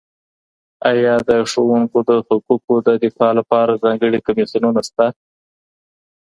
آیا د ښوونکو د حقوقو د دفاع لپاره ځانګړي کمیسیونونه سته؟